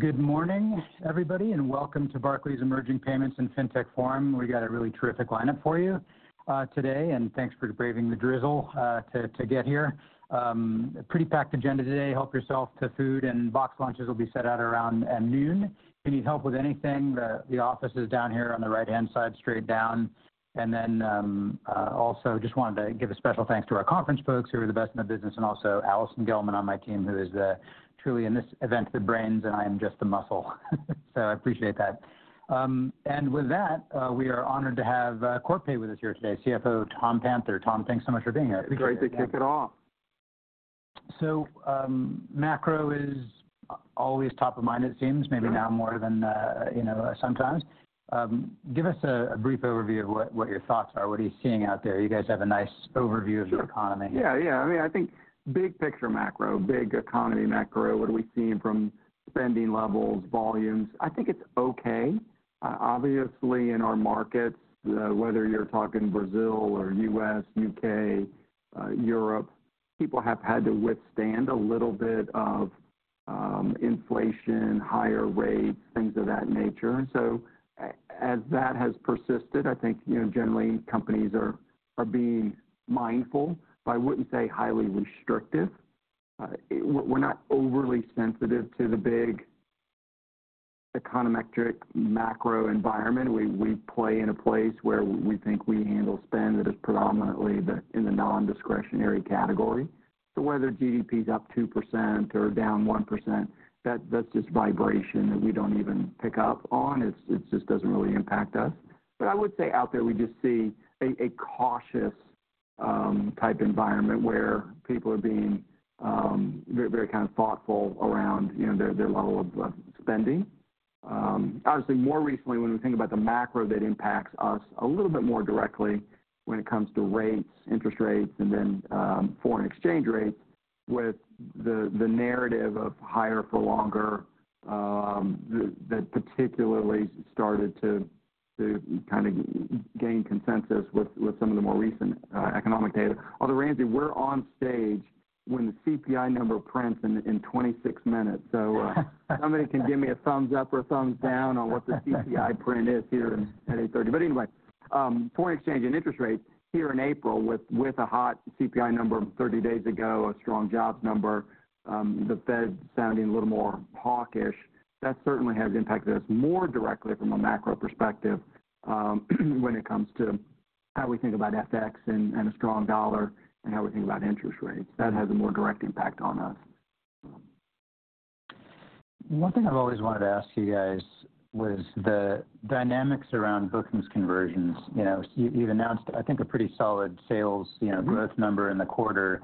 Good morning, everybody, and welcome to Barclays Emerging Payments and FinTech Forum. We got a really terrific lineup for you today, and thanks for braving the drizzle to get here. Pretty packed agenda today. Help yourself to food, and box lunches will be set out around noon. If you need help with anything, the office is down here on the right-hand side, straight down. And then, also just wanted to give a special thanks to our conference folks who are the best in the business, and also Alyson Gellman on my team who is truly, in this event, the brains, and I am just the muscle. So I appreciate that. With that, we are honored to have Corpay with us here today, CFO Tom Panther. Tom, thanks so much for being here. Great to kick it off. So, macro is always top of mind, it seems, maybe now more than, you know, sometimes. Give us a brief overview of what your thoughts are. What are you seeing out there? You guys have a nice overview of the economy here. Yeah, yeah. I mean, I think big picture macro, big economy macro, what are we seeing from spending levels, volumes? I think it's okay. Obviously, in our markets, whether you're talking Brazil or U.S., U.K., Europe, people have had to withstand a little bit of inflation, higher rates, things of that nature. And so, as that has persisted, I think, you know, generally, companies are being mindful. But I wouldn't say highly restrictive. We're not overly sensitive to the big econometric macro environment. We play in a place where we think we handle spend that is predominantly in the non-discretionary category. So whether GDP's up 2% or down 1%, that's just vibration that we don't even pick up on. It just doesn't really impact us. But I would say out there, we just see a cautious type environment where people are being very kind of thoughtful around, you know, their level of spending. Obviously, more recently, when we think about the macro, that impacts us a little bit more directly when it comes to rates, interest rates, and then foreign exchange rates, with the narrative of higher for longer, that particularly started to kind of gain consensus with some of the more recent economic data. Although, Ramsey, we're on stage when the CPI number prints in 26 minutes, so somebody can give me a thumbs up or a thumbs down on what the CPI print is here in at 8:30 A.M. But anyway, foreign exchange and interest rates here in April with a hot CPI number 30 days ago, a strong jobs number, the Fed sounding a little more hawkish, that certainly has impacted us more directly from a macro perspective, when it comes to how we think about FX and a strong dollar, and how we think about interest rates. That has a more direct impact on us. One thing I've always wanted to ask you guys was the dynamics around bookings conversions. You know, you've announced, I think, a pretty solid sales, you know, growth number in the quarter.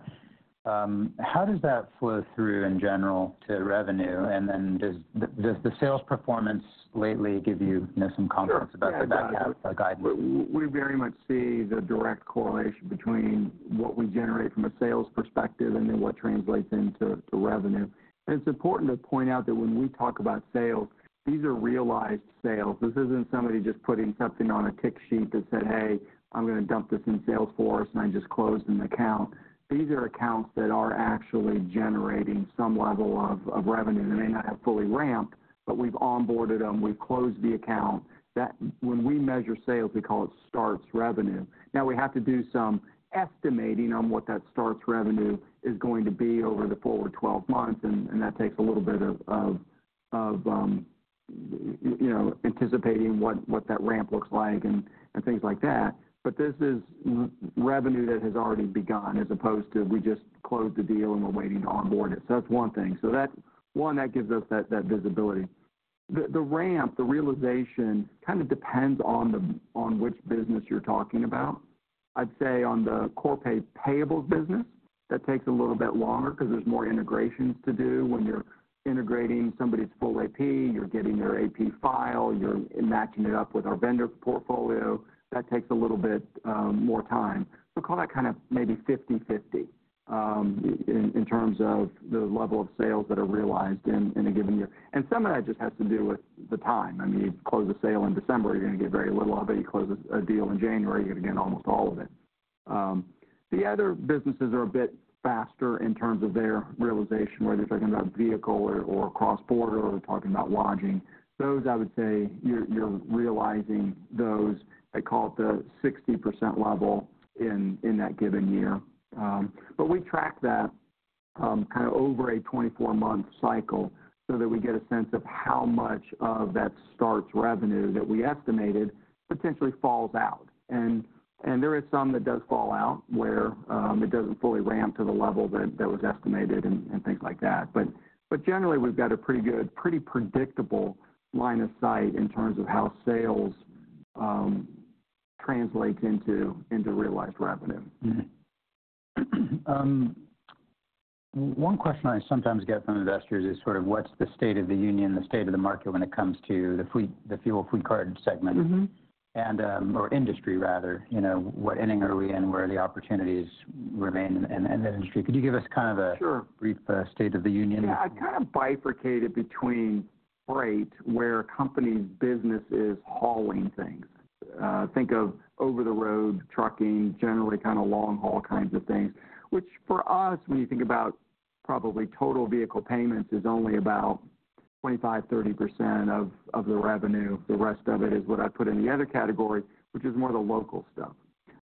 How does that flow through, in general, to revenue? Then does the sales performance lately give you, you know, some confidence about the back half guidance? Yeah. We, we very much see the direct correlation between what we generate from a sales perspective and then what translates into revenue. And it's important to point out that when we talk about sales, these are realized sales. This isn't somebody just putting something on a tick sheet that said, "Hey, I'm gonna dump this in Salesforce, and I just closed an account." These are accounts that are actually generating some level of revenue. They may not have fully ramped, but we've onboarded them. We've closed the account. That when we measure sales, we call it Starts Revenue. Now, we have to do some estimating on what that Starts Revenue is going to be over the forward 12 months, and that takes a little bit of you know, anticipating what that ramp looks like and things like that. But this is revenue that has already begun, as opposed to we just closed the deal, and we're waiting to onboard it. So that's one thing. So that, one, that gives us that, that visibility. The ramp, the realization, kind of depends on which business you're talking about. I'd say on the Corpay payables business, that takes a little bit longer 'cause there's more integrations to do. When you're integrating somebody's full AP, you're getting their AP file. You're matching it up with our vendor portfolio. That takes a little bit more time. So call that kind of maybe 50/50, in terms of the level of sales that are realized in a given year. And some of that just has to do with the time. I mean, you close a sale in December, you're gonna get very little of it. You close a deal in January, you're gonna get almost all of it. The other businesses are a bit faster in terms of their realization, whether you're talking about vehicle or cross-border or talking about lodging. Those, I would say, you're realizing those. I call it the 60% level in that given year. But we track that kind of over a 24-month cycle so that we get a sense of how much of that Starts Revenue that we estimated potentially falls out. And there is some that does fall out where it doesn't fully ramp to the level that was estimated and things like that. But generally, we've got a pretty good, pretty predictable line of sight in terms of how sales translates into realized revenue. Mm-hmm. One question I sometimes get from investors is sort of what's the state of the union, the state of the market when it comes to the fleet the fuel fleet card segment. Mm-hmm. Our industry, rather. You know, what inning are we in? Where are the opportunities remain in that industry? Could you give us kind of a. Sure. Brief, state of the union? Yeah. I kind of bifurcate it between freight, where a company's business is hauling things. Think of over-the-road trucking, generally kind of long-haul kinds of things, which for us, when you think about probably total vehicle payments, is only about 25%-30% of the revenue. The rest of it is what I put in the other category, which is more the local stuff.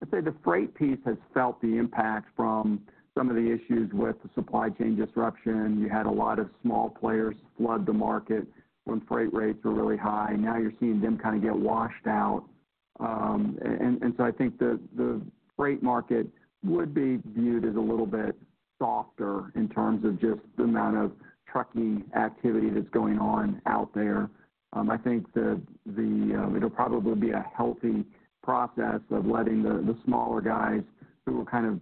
I'd say the freight piece has felt the impact from some of the issues with the supply chain disruption. You had a lot of small players flood the market when freight rates were really high. Now you're seeing them kind of get washed out. And so I think the freight market would be viewed as a little bit softer in terms of just the amount of trucking activity that's going on out there. I think the, it'll probably be a healthy process of letting the smaller guys who will kind of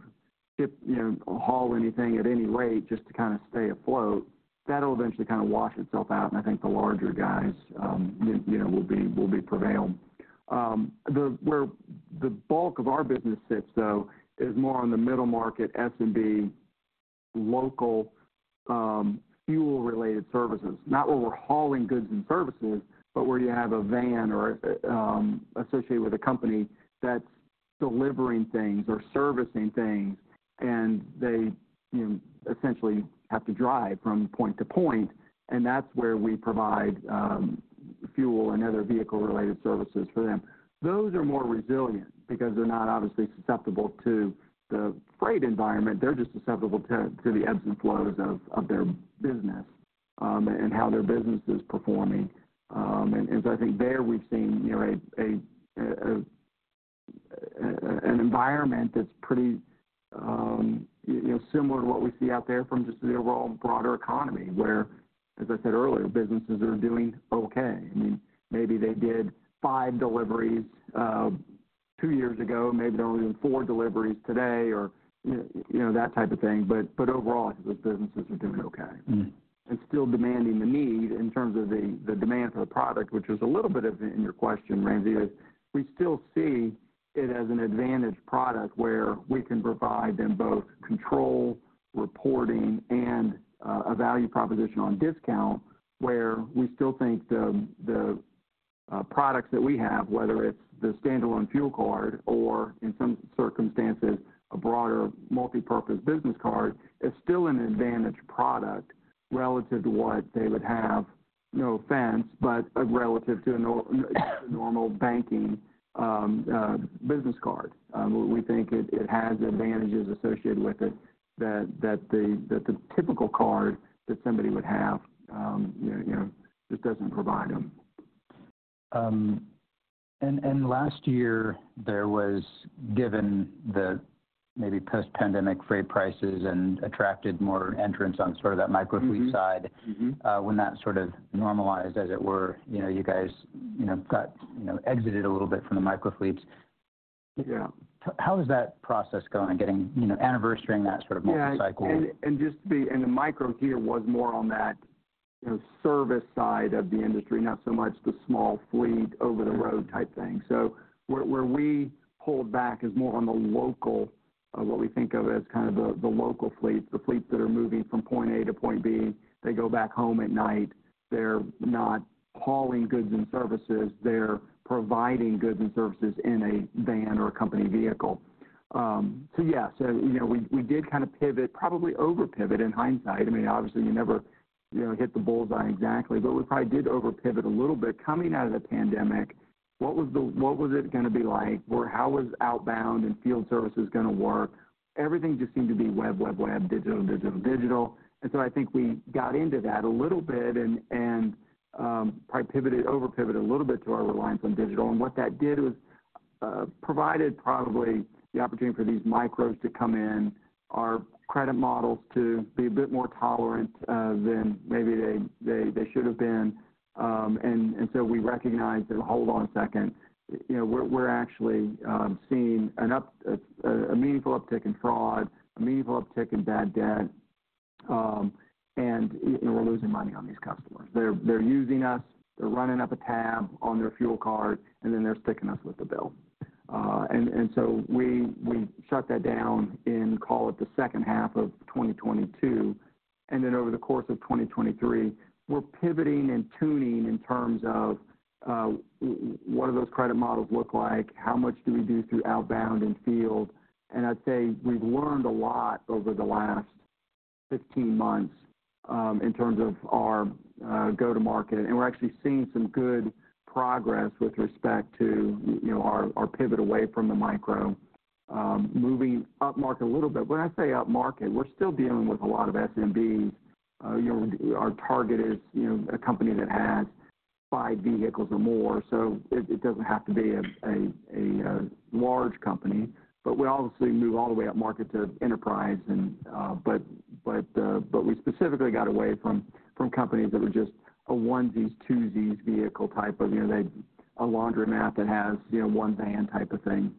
ship, you know, haul anything at any rate just to kind of stay afloat. That'll eventually kind of wash itself out. And I think the larger guys, you know, will be prevailing. The where the bulk of our business sits, though, is more on the middle market, S and B, local, fuel-related services. Not where we're hauling goods and services, but where you have a van or a associated with a company that's delivering things or servicing things, and they, you know, essentially have to drive from point to point. And that's where we provide fuel and other vehicle-related services for them. Those are more resilient because they're not obviously susceptible to the freight environment. They're just susceptible to the ebbs and flows of their business, and so I think there, we've seen, you know, an environment that's pretty, you know, similar to what we see out there from just the overall broader economy, where, as I said earlier, businesses are doing okay. I mean, maybe they did five deliveries two years ago. Maybe they're only doing four deliveries today or, you know, that type of thing. But overall, I think those businesses are doing okay. Mm-hmm. Still demanding the need in terms of the demand for the product, which is a little bit in your question, Ramsey, is we still see it as an advantaged product where we can provide them both control, reporting, and a value proposition on discount, where we still think the products that we have, whether it's the standalone fuel card or, in some circumstances, a broader multipurpose business card, is still an advantaged product relative to what they would have—no offense—but relative to or a normal banking business card. We think it has advantages associated with it that the typical card that somebody would have, you know, just doesn't provide them. and last year, there was, given the maybe post-pandemic freight prices and attracted more entrants on sort of that microfleet side. Mm-hmm. When that sort of normalized, as it were, you know, you guys, you know, got, you know, exited a little bit from the microfleets. Yeah. How is that process going, getting, you know, anniversarying that sort of multi-cycle? Yeah. And just to be, the micro here was more on that, you know, service side of the industry, not so much the small fleet over-the-road type thing. So where we pulled back is more on the local of what we think of as kind of the local fleets, the fleets that are moving from point A to point B. They go back home at night. They're not hauling goods and services. They're providing goods and services in a van or a company vehicle. So yeah. So, you know, we did kind of pivot, probably over-pivot in hindsight. I mean, obviously, you never, you know, hit the bullseye exactly. But we probably did over-pivot a little bit. Coming out of the pandemic, what was it gonna be like? Where how was outbound and field services gonna work? Everything just seemed to be web, web, web, digital, digital, digital. And so I think we got into that a little bit and probably pivoted, over-pivoted a little bit to our reliance on digital. And what that did was provided probably the opportunity for these micros to come in, our credit models to be a bit more tolerant than maybe they should have been. And so we recognized that, hold on a second, you know, we're actually seeing a meaningful uptick in fraud, a meaningful uptick in bad debt. And you know, we're losing money on these customers. They're using us. They're running up a tab on their fuel card. And then they're sticking us with the bill. And so we shut that down in, call it, the second half of 2022. Then over the course of 2023, we're pivoting and tuning in terms of, what do those credit models look like? How much do we do through outbound and field? And I'd say we've learned a lot over the last 15 months, in terms of our go-to-market. And we're actually seeing some good progress with respect to, you know, our pivot away from the micro, moving upmarket a little bit. When I say upmarket, we're still dealing with a lot of S and Bs, you know. Our target is, you know, a company that has five vehicles or more. So it doesn't have to be a large company. But we obviously move all the way upmarket to enterprise, but we specifically got away from companies that were just onesies, twosies, vehicle type of, you know, they, a laundromat that has, you know, one van type of thing.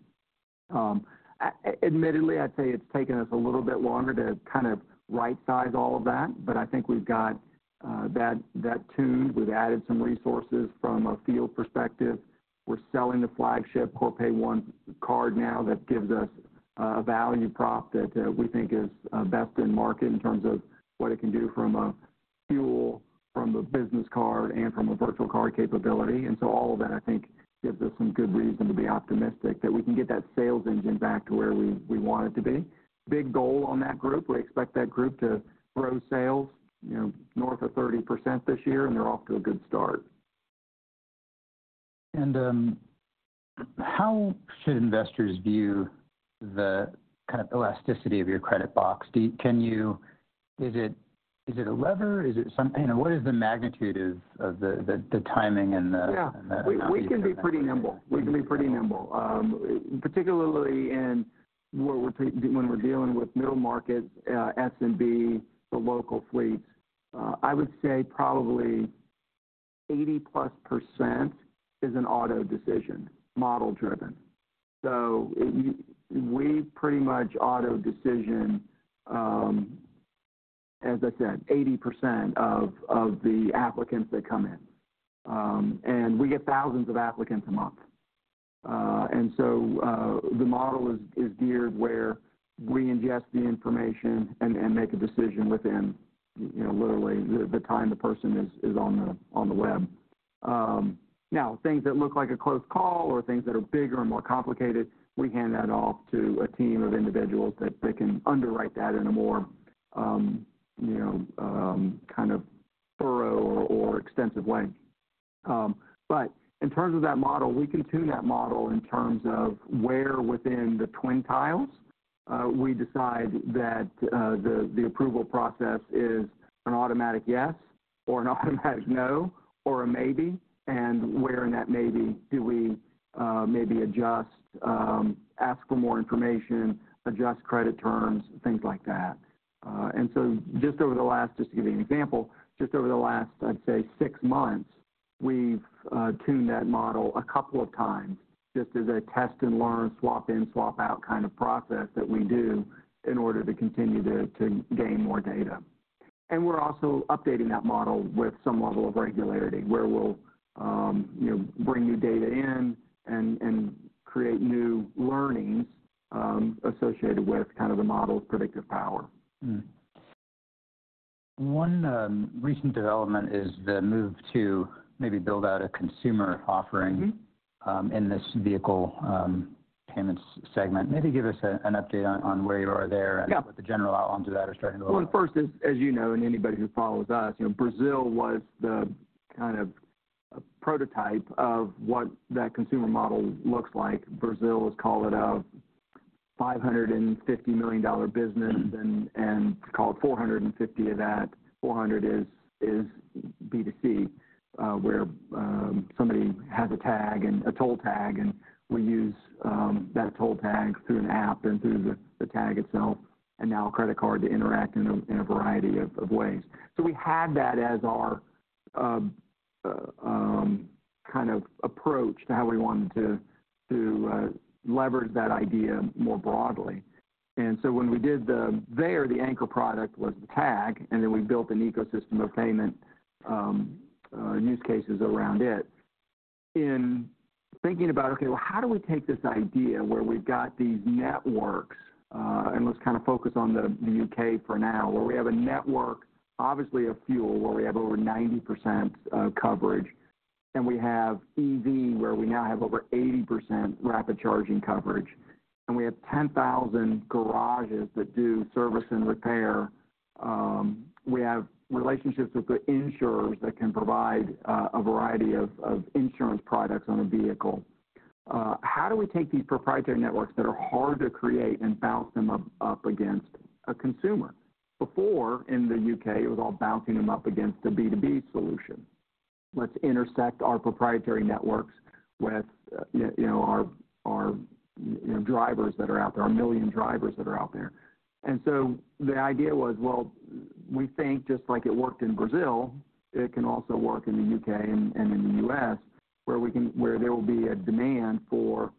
Admittedly, I'd say it's taken us a little bit longer to kind of right-size all of that. But I think we've got that tuned. We've added some resources from a field perspective. We're selling the flagship Corpay One card now that gives us a value prop that we think is best in market in terms of what it can do from a fuel, from a business card, and from a virtual card capability. And so all of that, I think, gives us some good reason to be optimistic that we can get that sales engine back to where we want it to be. Big goal on that group. We expect that group to grow sales, you know, north of 30% this year. And they're off to a good start. How should investors view the kind of elasticity of your Credit Box? Is it a lever? Is it some you know, what is the magnitude of the timing and the. Yeah. We can be pretty nimble. We can be pretty nimble, particularly when we're dealing with middle markets, S and B, the local fleets. I would say probably 80+% is an auto decision, model-driven. So we pretty much auto decision, as I said, 80% of the applicants that come in, and we get thousands of applicants a month. And so, the model is geared where we ingest the information and make a decision within, you know, literally the time the person is on the web. Now, things that look like a close call or things that are bigger and more complicated, we hand that off to a team of individuals that can underwrite that in a more, you know, kind of thorough or extensive way. But in terms of that model, we can tune that model in terms of where, within the twin tiles, we decide that the approval process is an automatic yes or an automatic no or a maybe. And where in that maybe do we maybe adjust, ask for more information, adjust credit terms, things like that. And so just to give you an example, just over the last, I'd say, six months, we've tuned that model a couple of times just as a test and learn, swap in, swap out kind of process that we do in order to continue to gain more data. And we're also updating that model with some level of regularity where we'll, you know, bring new data in and create new learnings, associated with kind of the model's predictive power. Mm-hmm. One recent development is the move to maybe build out a consumer offering. Mm-hmm. In this vehicle payments segment. Maybe give us an update on where you are there and. Yeah. What the general outlines of that are starting to look like. Well, the first is, as you know, and anybody who follows us, you know, Brazil was the kind of a prototype of what that consumer model looks like. Brazil is, call it, a $550 million business. Mm-hmm. And called 450 of that. 400 is B2C, where somebody has a tag and a toll tag. And we use that toll tag through an app and through the tag itself and now a credit card to interact in a variety of ways. So we had that as our kind of approach to how we wanted to leverage that idea more broadly. And so when we did the there, the anchor product was the tag. And then we built an ecosystem of payment use cases around it. In thinking about, okay, well, how do we take this idea where we've got these networks, and let's kind of focus on the UK for now, where we have a network obviously of fuel, where we have over 90% of coverage. And we have EV where we now have over 80% rapid charging coverage. We have 10,000 garages that do service and repair. We have relationships with the insurers that can provide a variety of insurance products on a vehicle. How do we take these proprietary networks that are hard to create and bounce them up against a consumer? Before, in the UK, it was all bouncing them up against a B2B solution. Let's intersect our proprietary networks with, you know, our drivers that are out there, our 1 million drivers that are out there. And so the idea was, well, we think just like it worked in Brazil, it can also work in the UK and in the US where there will be a demand for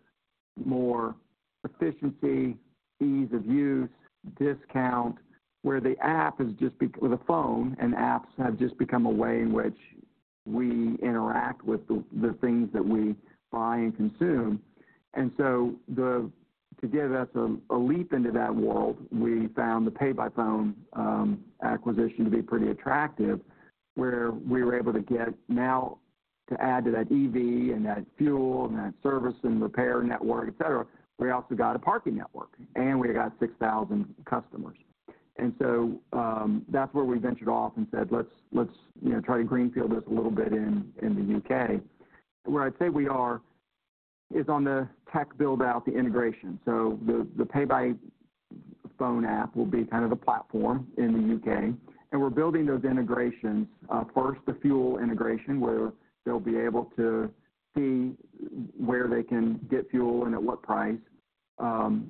more efficiency, ease of use, discount, where the app has just become with a phone, and apps have just become a way in which we interact with the, the things that we buy and consume. And so to give us a, a leap into that world, we found the PayByPhone acquisition to be pretty attractive where we were able to get now to add to that EV and that fuel and that service and repair network, etc., we also got a parking network. And we got 6,000 customers. And so, that's where we ventured off and said, "Let's, you know, try to greenfield this a little bit in the UK." Where I'd say we are is on the tech build-out, the integration. So the PayByPhone app will be kind of the platform in the UK. And we're building those integrations. First, the fuel integration where they'll be able to see where they can get fuel and at what price.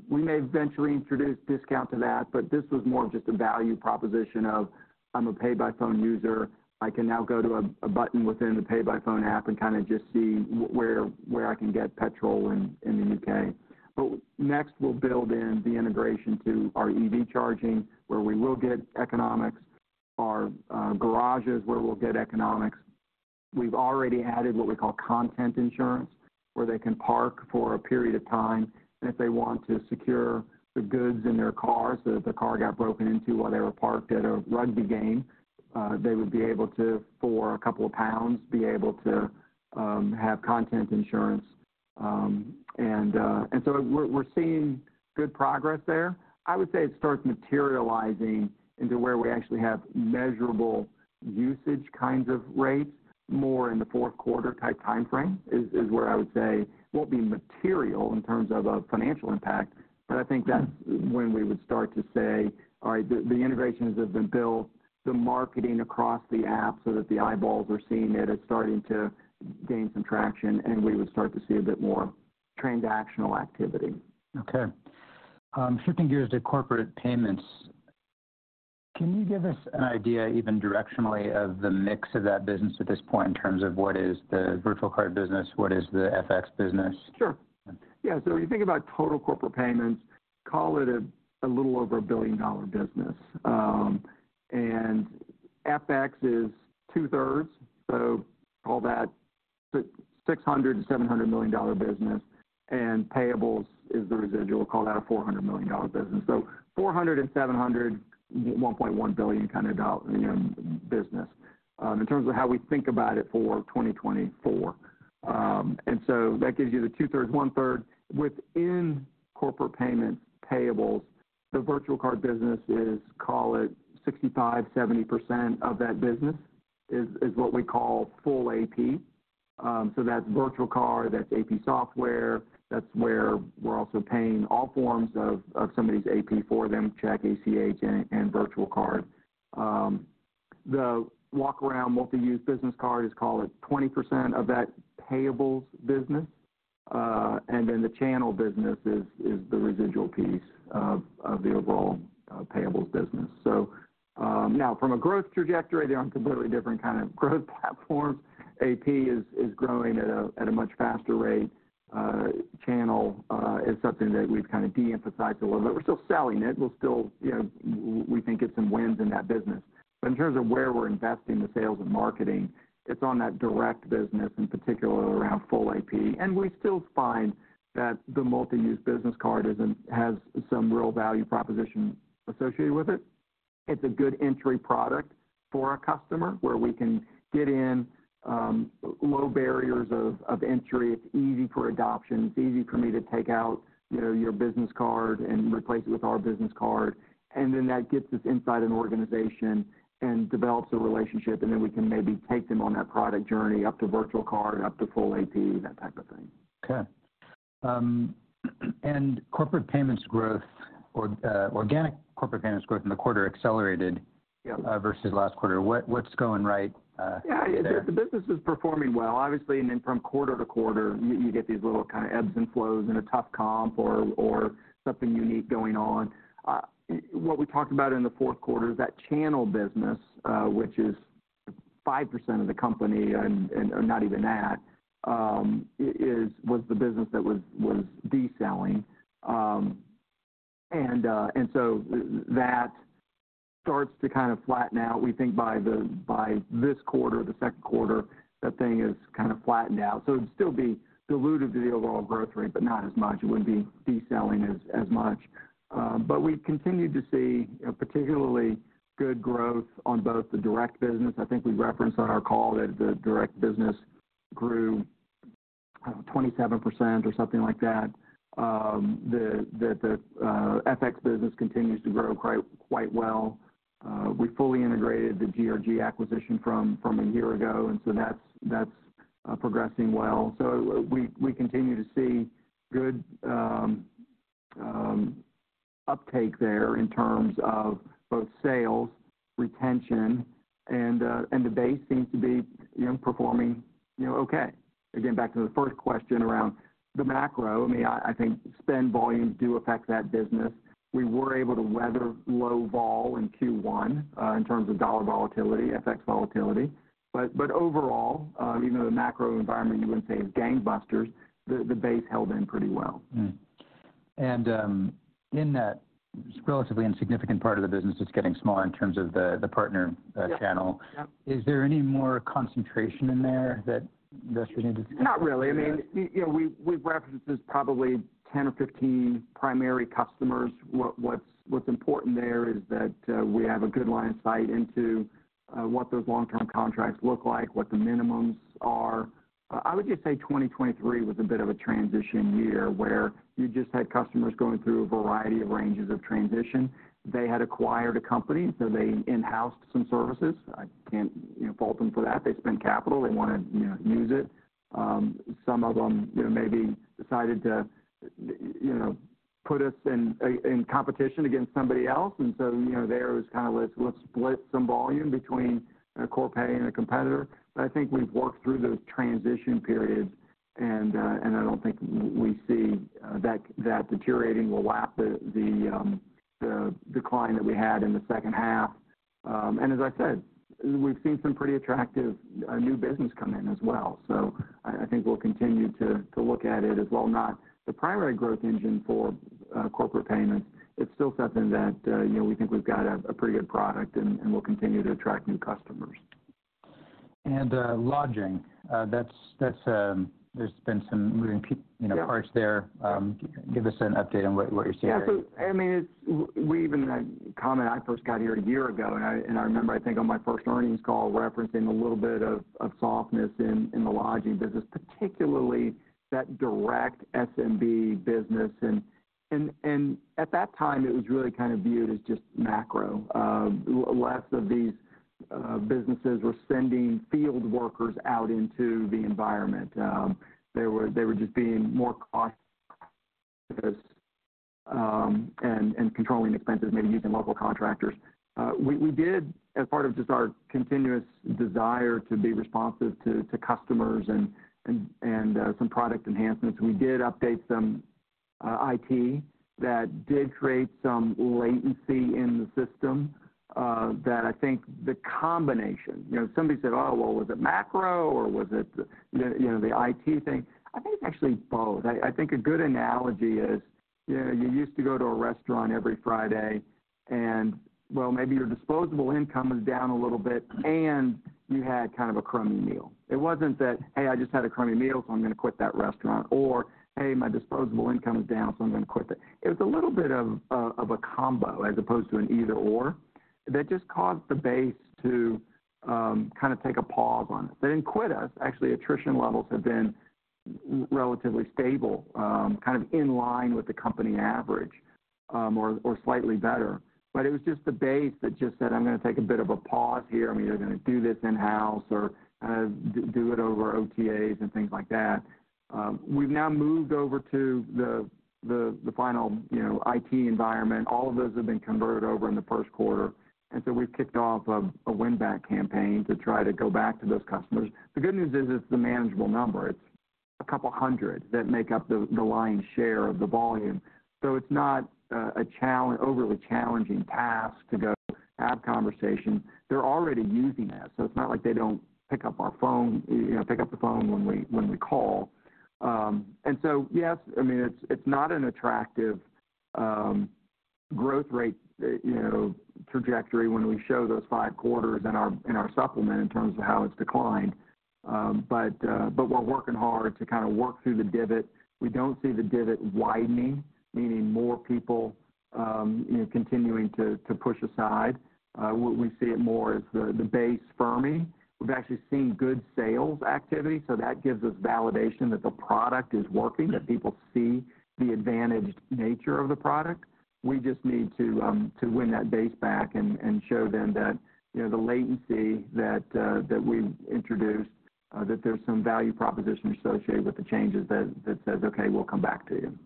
We may eventually introduce discount to that. But this was more of just a value proposition of, "I'm a PayByPhone user. I can now go to a button within the PayByPhone app and kind of just see where I can get petrol in the UK." But next, we'll build in the integration to our EV charging where we will get economics, our garages where we'll get economics. We've already added what we call content insurance where they can park for a period of time. And if they want to secure the goods in their cars that the car got broken into while they were parked at a rugby game, they would be able to, for a couple of pounds, have content insurance. And so we're seeing good progress there. I would say it starts materializing into where we actually have measurable usage kinds of rates more in the fourth quarter type time frame, is where I would say it won't be material in terms of a financial impact. But I think that's when we would start to say, "All right. The integrations have been built. The marketing across the app so that the eyeballs are seeing it is starting to gain some traction." We would start to see a bit more transactional activity. Okay. Shifting gears to corporate payments, can you give us an idea, even directionally, of the mix of that business at this point in terms of what is the virtual card business? What is the FX business? Sure. Yeah. So if you think about total corporate payments, call it a little over a billion-dollar business. FX is two-thirds. So call that 600-700 million dollar business. And payables is the residual. Call that a $400 million business. So $400 million and $700 million, $1.1 billion kind of dollar, you know, business, in terms of how we think about it for 2024. And so that gives you the two-thirds, one-third. Within corporate payments, payables, the virtual card business is, call it, 65%-70% of that business is what we call full AP. So that's virtual card. That's AP software. That's where we're also paying all forms of somebody's AP for them, check, ACH, and virtual card. The walk-around multi-use business card is, call it, 20% of that payables business. Then the channel business is the residual piece of the overall payables business. So now, from a growth trajectory, they're on completely different kind of growth platforms. AP is growing at a much faster rate. Channel is something that we've kind of de-emphasized a little bit. We're still selling it. We're still, you know, we think it's some wins in that business. But in terms of where we're investing the sales and marketing, it's on that direct business, in particular around full AP. We still find that the multi-use business card has some real value proposition associated with it. It's a good entry product for a customer where we can get in, low barriers of entry. It's easy for adoption. It's easy for me to take out, you know, your business card and replace it with our business card. And then that gets us inside an organization and develops a relationship. And then we can maybe take them on that product journey up to virtual card, up to full AP, that type of thing. Okay. Corporate payments growth or organic corporate payments growth in the quarter accelerated. Yep. versus last quarter. What's going right? Is it. Yeah. The business is performing well. Obviously, and then from quarter to quarter, you get these little kind of ebbs and flows and a tough comp or something unique going on. What we talked about in the fourth quarter is that channel business, which is 5% of the company and not even that, is the business that was deselling. And so that starts to kind of flatten out. We think by this quarter, the Q2, that thing is kind of flattened out. So it'd still be diluted to the overall growth rate, but not as much. It wouldn't be deselling as much. But we continue to see, you know, particularly good growth on both the direct business. I think we referenced on our call that the direct business grew, I don't know, 27% or something like that. That the FX business continues to grow quite well. We fully integrated the GRG acquisition from a year ago. And so that's progressing well. So we continue to see good uptake there in terms of both sales, retention, and the base seems to be, you know, performing, you know, okay. Again, back to the first question around the macro. I mean, I think spend volumes do affect that business. We were able to weather low vol in Q1 in terms of dollar volatility, FX volatility. But overall, even though the macro environment you wouldn't say is gangbusters, the base held in pretty well. In that relatively insignificant part of the business that's getting smaller in terms of the partner channel. Yep. Yep. Is there any more concentration in there that investors need to discuss? Not really. I mean, you know, we've referenced as probably 10 or 15 primary customers. What's important there is that we have a good line of sight into what those long-term contracts look like, what the minimums are. I would just say 2023 was a bit of a transition year where you just had customers going through a variety of ranges of transition. They had acquired a company. So they in-housed some services. I can't you know, fault them for that. They spent capital. They wanted, you know, to use it. Some of them, you know, maybe decided to you know, put us in competition against somebody else. And so, you know, there it was kind of, "Let's split some volume between a Corpay and a competitor." But I think we've worked through those transition periods. I don't think we see that deteriorating will lap the decline that we had in the second half. And as I said, we've seen some pretty attractive new business come in as well. So I think we'll continue to look at it as well, not the primary growth engine for corporate payments. It's still something that, you know, we think we've got a pretty good product. And we'll continue to attract new customers. Lodging, that's, there's been some moving parts there, you know. Give us an update on what you're seeing right now. Yeah. So I mean, it's we even had comment. I first got here a year ago. I remember, I think, on my first earnings call referencing a little bit of softness in the lodging business, particularly that direct SMB business. At that time, it was really kind of viewed as just macro. Less of these businesses were sending field workers out into the environment. They were just being more cautious and controlling expenses, maybe using local contractors. We did, as part of just our continuous desire to be responsive to customers and some product enhancements, we did update some IT that did create some latency in the system. I think the combination—you know, somebody said, "Oh, well, was it Macro, or was it the, you know, the IT thing?" I think it's actually both. I think a good analogy is, you know, you used to go to a restaurant every Friday. Well, maybe your disposable income was down a little bit, and you had kind of a crummy meal. It wasn't that, "Hey, I just had a crummy meal, so I'm going to quit that restaurant," or, "Hey, my disposable income is down, so I'm going to quit it." It was a little bit of a combo as opposed to an either/or that just caused the base to, kind of take a pause on it. They didn't quit us. Actually, attrition levels have been relatively stable, kind of in line with the company average, or slightly better. But it was just the base that just said, "I'm going to take a bit of a pause here. I mean, you're going to do this in-house or kind of do it over OTAs and things like that." We've now moved over to the final, you know, IT environment. All of those have been converted over in the Q1. And so we've kicked off a win-back campaign to try to go back to those customers. The good news is, it's a manageable number. It's 200 that make up the lion's share of the volume. So it's not overly challenging task to go have conversations. They're already using us. So it's not like they don't pick up our phone, you know, pick up the phone when we call. And so, yes, I mean, it's not an attractive growth rate, you know, trajectory when we show those 5 quarters in our supplement in terms of how it's declined. But we're working hard to kind of work through the divot. We don't see the divot widening, meaning more people, you know, continuing to push aside. We see it more as the base firming. We've actually seen good sales activity. So that gives us validation that the product is working, that people see the advantaged nature of the product. We just need to, to win that base back and, and show them that, you know, the latency that, that we've introduced, that there's some value proposition associated with the changes that, that says, "Okay. We'll come back to you.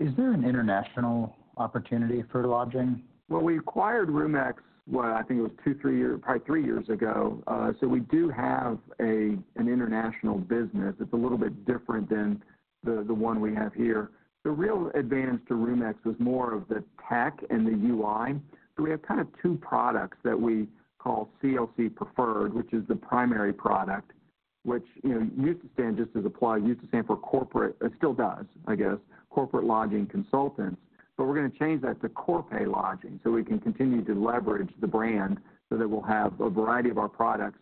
Is there an international opportunity for lodging? Well, we acquired Roomex, well, I think it was 2-3 years ago, probably 3 years ago. So we do have an international business. It's a little bit different than the one we have here. The real advantage to Roomex was more of the tech and the UI. So we have kind of two products that we call CLC Preferred, which is the primary product, which, you know, used to stand just as a plug, used to stand for corporate it still does, I guess, corporate lodging consultants. But we're going to change that to Corpay Lodging so we can continue to leverage the brand so that we'll have a variety of our products,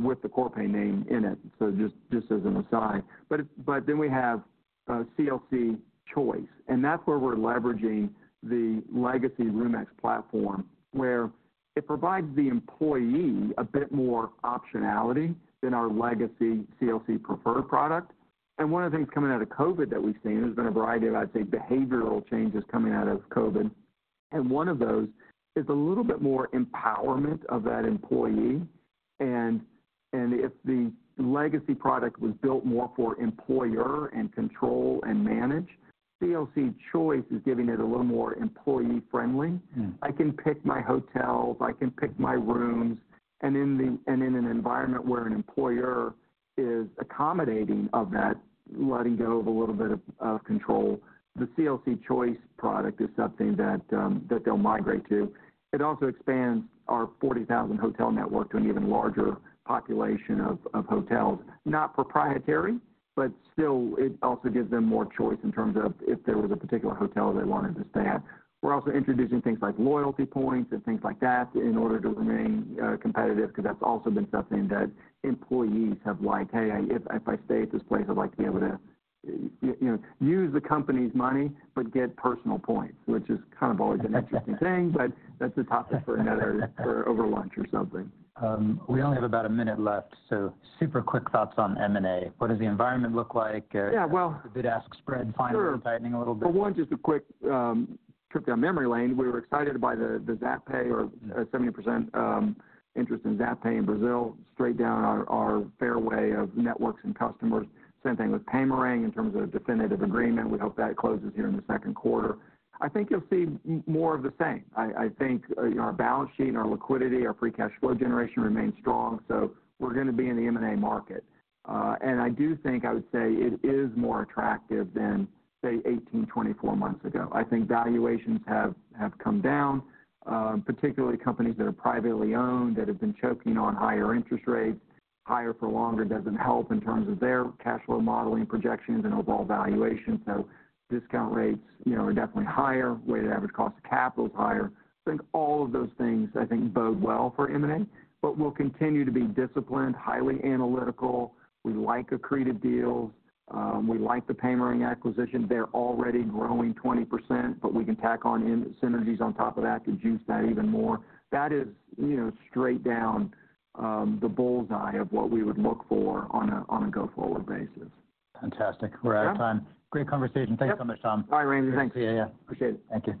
with the Corpay name in it. So just as an aside. But then we have CLC Choice. And that's where we're leveraging the legacy Roomex platform where it provides the employee a bit more optionality than our legacy CLC Preferred product. One of the things coming out of COVID that we've seen has been a variety of, I'd say, behavioral changes coming out of COVID. One of those is a little bit more empowerment of that employee. And if the legacy product was built more for employer and control and manage, CLC Choice is giving it a little more employee-friendly. I can pick my hotels. I can pick my rooms. And in an environment where an employer is accommodating of that, letting go of a little bit of control, the CLC Choice product is something that they'll migrate to. It also expands our 40,000-hotel network to an even larger population of hotels, not proprietary, but still, it also gives them more choice in terms of if there was a particular hotel they wanted to stay at. We're also introducing things like loyalty points and things like that in order to remain competitive because that's also been something that employees have liked, "Hey, if I stay at this place, I'd like to be able to, you know, use the company's money but get personal points," which has kind of always been an interesting thing. But that's a topic for another, over lunch or something. We only have about a minute left. So super quick thoughts on M&A. What does the environment look like, or? Yeah. Well. The bid/ask spread finally tightening a little bit? Yeah. Well, one, just a quick trip down memory lane. We were excited by the Zapay our 70% interest in Zapay in Brazil, straight down our fairway of networks and customers. Same thing with Paymerang in terms of a definitive agreement. We hope that closes here in the Q2. I think you'll see more of the same. I think, you know, our balance sheet, our liquidity, our free cash flow generation remains strong. So we're going to be in the M&A market, and I do think, I would say, it is more attractive than, say, 18-24 months ago. I think valuations have come down, particularly companies that are privately owned that have been choking on higher interest rates. Higher for longer doesn't help in terms of their cash flow modeling projections and overall valuation. So discount rates, you know, are definitely higher. Weighted average cost of capital's higher. I think all of those things, I think, bode well for M&A. But we'll continue to be disciplined, highly analytical. We like accretive deals. We like the Paymerang acquisition. They're already growing 20%. But we can tack on in synergies on top of that to juice that even more. That is, you know, straight down the bull's-eye of what we would look for on a go-forward basis. Fantastic. We're out of time. Great conversation. Thanks so much, Tom. Yep. All right, Ramsey. Thanks. See you. Yeah. Appreciate it. Thank you.